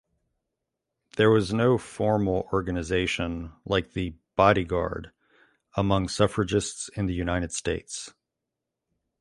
There was no formal organization like the Bodyguard among suffragists in the United States.